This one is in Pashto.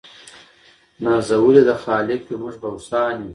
نازولي د خالق یو موږ غوثان یو